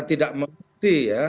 tidak mengerti ya